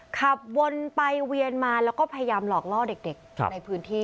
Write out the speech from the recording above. ขับวนไปเวียนมาแล้วก็พยายามหลอกล่อเด็กในพื้นที่